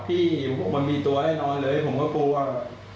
พี่มันมีตัวแน่นอนเลยผมก็กลัว